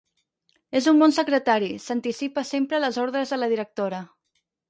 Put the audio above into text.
És un bon secretari: s'anticipa sempre a les ordres de la directora.